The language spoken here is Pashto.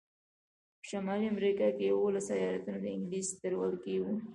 په شمالي امریکا کې یوولس ایالتونه د انګلیس تر ولکې وو.